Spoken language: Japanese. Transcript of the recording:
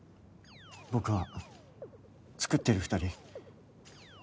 僕は作ってる二人